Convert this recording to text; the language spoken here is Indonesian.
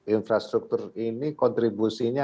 infrastruktur ini kontribusinya